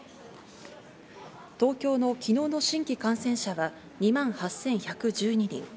東京の昨日の新規感染者は２万８１１２人。